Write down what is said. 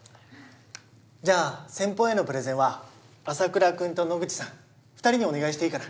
じゃあ先方へのプレゼンは麻倉君と野口さん２人にお願いしていいかな。